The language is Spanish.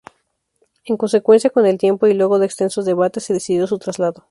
En consecuencia, con el tiempo y luego de extensos debates se decidió su traslado.